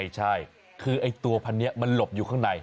ใช่คือไอ้ตัวพันนี้มันหลบอยู่ข้างใน